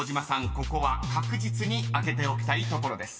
ここは確実に開けておきたいところです］